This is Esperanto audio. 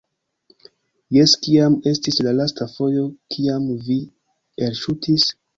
Jes kiam estis la lasta fojo kiam vi elŝutis?